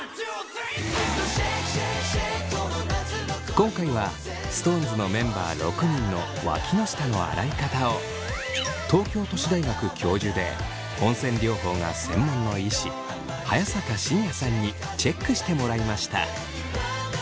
今回はＳｉｘＴＯＮＥＳのメンバー６人のわきの下の洗い方を東京都市大学教授で温泉療法が専門の医師早坂信哉さんにチェックしてもらいました。